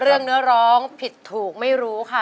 เรื่องเนื้อร้องผิดถูกไม่รู้ค่ะ